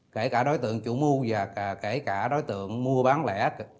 kể cả đối tượng chủ mu và kể cả đối tượng mua bán lẻ